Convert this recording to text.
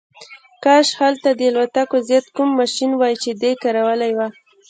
کاش هلته د الوتکو ضد کوم ماشین وای چې دی کارولی وای